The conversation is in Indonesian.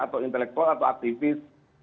atau intelektual atau aktivis